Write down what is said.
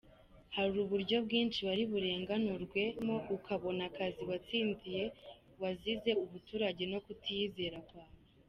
Hari uburyo bwinshi wari burenganurwe mo ukabona akazi watsindiye wazize ubuturage no kutiyizera kwawe !!!!.